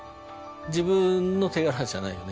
自分の手柄じゃないよね